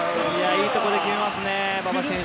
いいところで決めますね馬場選手。